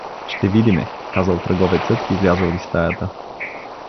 Ще видиме, казал търговецът и излязъл из стаята.